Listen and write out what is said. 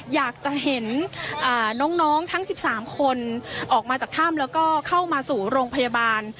อยากจะเห็นน้องทั้ง๑๓คนออกมาจากถ้ำแล้วก็เข้ามาสู่โรงพยาบาล